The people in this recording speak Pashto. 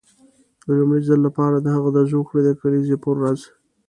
د لومړي ځل لپاره د هغه د زوکړې د کلیزې پر ورځ.